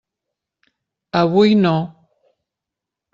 Avui no.